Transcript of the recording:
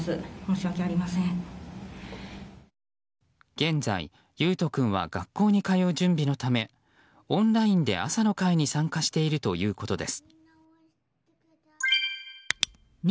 現在、維斗君は学校に通う準備のためオンラインで朝の会に参加しているということです。